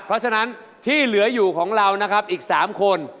เพราะฉะนั้นที่เหลืออยู่ของเรานะครับอีก๓คน